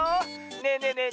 ねえねえねえ